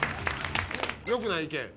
よくない意見。